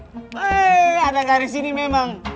hei ada gak di sini memang